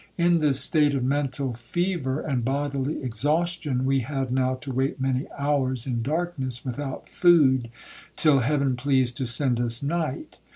In this state of mental fever, and bodily exhaustion, we had now to wait many hours, in darkness, without food, till Heaven pleased to send us night.